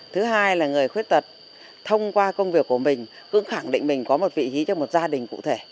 thứ hai là người khuyết tật thông qua công việc của mình cũng khẳng định mình có một vị trí cho một gia đình cụ thể